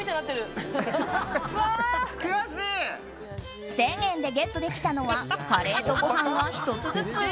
１０００円でゲットできたのはカレーとご飯が１つずつ。